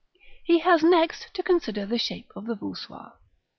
He has next to consider the shape of the voussoirs.